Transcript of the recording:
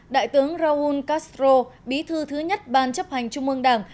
đại tướng raúl castro bí thư thứ nhất ban chấp hành trung ương đảng